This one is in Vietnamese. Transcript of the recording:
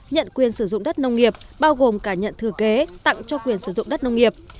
nhận quyền sử dụng đất nông nghiệp bao gồm cả nhận thừa kế tặng cho quyền sử dụng đất nông nghiệp